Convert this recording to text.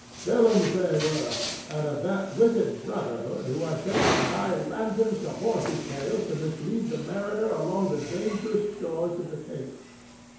Villains they were, and of that wicked brotherhood who are said to tie lanterns to horses' tails to mislead the mariner along the dangerous shores of the Cape.